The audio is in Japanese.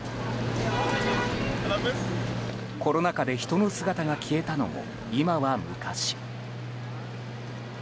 コロナ禍で人の姿が消えたのも今は昔。